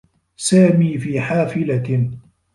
سامي في حافلة.